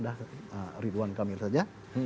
ada ridwan kamil saja